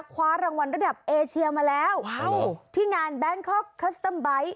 คว้ารางวัลระดับเอเชียมาแล้วที่งานแบงคอกคัสเตอร์ไบท์